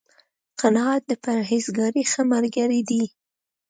قناعت، د پرهېزکارۍ ښه ملګری دی